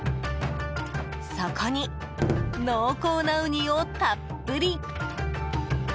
そこに濃厚なウニを、たっぷり！